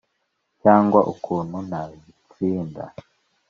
Cyangwa ukuntu nazitsinda